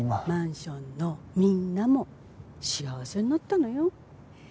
マンションのみんなも幸せになったのよ。